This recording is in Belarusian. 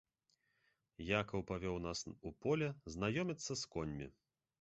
Якаў павёў нас у поле знаёміцца з коньмі.